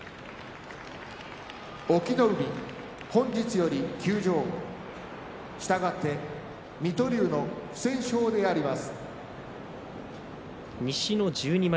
隠岐の海本日より休場したがって水戸龍の不戦勝であります。